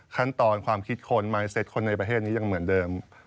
ขั้นตอนความคิดคนมายเซ็ตคนในประเทศนี้ยังเหมือนเดิม